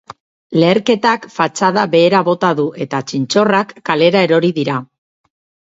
Leherketak fatxada behera bota du, eta txintxorrak kalera erori dira.